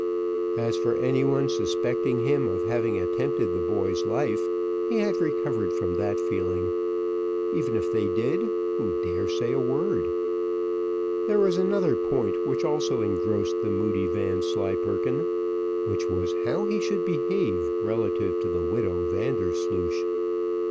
As for any one suspecting him of having attempted the boy's life, he had recovered from that feeling; even if they did, who dare say a word? There was another point which also engrossed the moody Vanslyperken, which was how he should behave relative to the widow Vandersloosh.